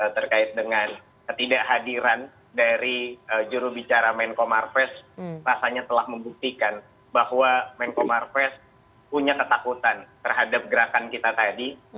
terkait dengan ketidakhadiran dari jurubicara menko marves rasanya telah membuktikan bahwa menko marves punya ketakutan terhadap gerakan kita tadi